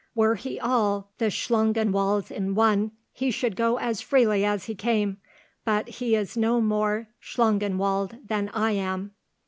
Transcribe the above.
Were he all the Schlangenwalds in one, he should go as freely as he came; but he is no more Schlangenwald than I am."